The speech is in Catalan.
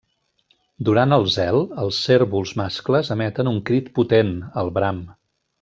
Durant el zel, els cérvols mascles emeten un crit potent, el bram.